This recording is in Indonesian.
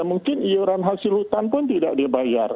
mungkin iuran hasil hutan pun tidak dibayar